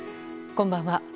こんばんは。